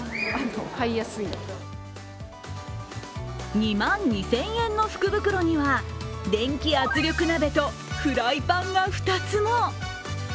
２万２０００円の福袋には電気圧力鍋とフライパンが２つも。